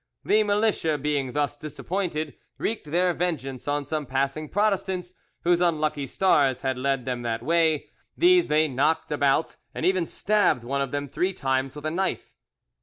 The militia being thus disappointed, wreaked their vengeance on some passing Protestants, whose unlucky stars had led them that way; these they knocked about, and even stabbed one of them three times with a knife.